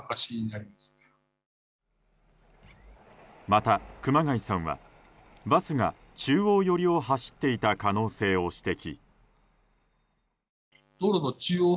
また、熊谷さんはバスが中央寄りを走っていた可能性を指摘。